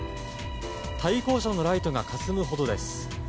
対向車のライトがかすむほどです。